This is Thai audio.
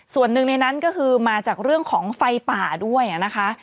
ส่วนหนึ่งในนั้นก็คือมาจากเรื่องของไฟป่าด้วยนะคะ